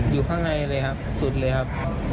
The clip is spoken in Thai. อยู่ข้างในเลยครับสุดเลยครับ